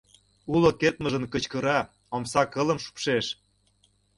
Уло кертмыжын кычкыра, омса кылым шупшеш.